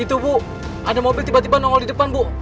itu bu ada mobil tiba tiba nongol di depan bu